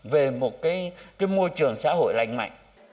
về một cái môi trường xã hội lành mạnh